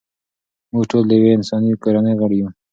موږ ټول د یوې انساني کورنۍ غړي یو.